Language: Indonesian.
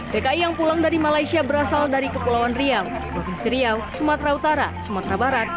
tki yang pulang dari malaysia berasal dari kepulauan riau provinsi riau sumatera utara sumatera barat